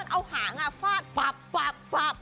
เอาหาง่าฟากปับปับ